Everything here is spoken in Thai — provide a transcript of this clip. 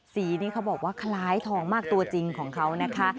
สีนี้เขาบอกว่าคล้ายทองมากตัวจริงของเขานะคะ